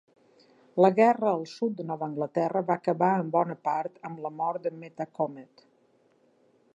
La guerra al sud de Nova Anglaterra va acabar en bona part ama la mort de Metacomet.